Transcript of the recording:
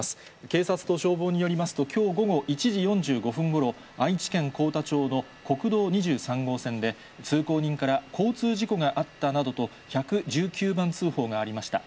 警察と消防によりますと、きょう午後１時４５分ごろ、愛知県幸田町の国道２３号線で、通行人から交通事故があったなどと、１１９番通報がありました。